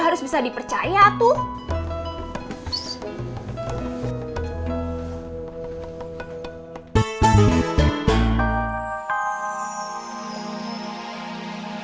ya suaminya juga ya suaminya juga